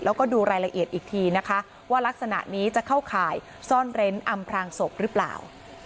แล้วก็ดูรายละเอียดอีกทีนะคะว่ารักษณะนี้จะเข้าข่ายซ่อนเร้นอำพรางศพหรือเปล่า